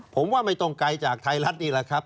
ผมว่าไม่ต้องไกลจากไทยรัฐนี่แหละครับ